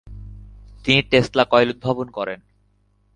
তিনি Tesla coil উদ্ভাবন করেন।